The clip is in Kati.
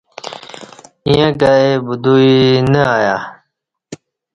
ییں تہ کائی بودوئی نہ ایہ